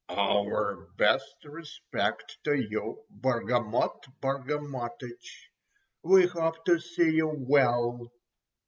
"Our best respects to you, Bargamot Bargamotich—we hope we see you well!"